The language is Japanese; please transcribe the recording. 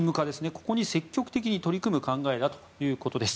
ここに積極的に取り組む考えだということです。